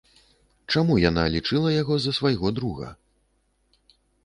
Чаму яна лічыла яго за свайго друга?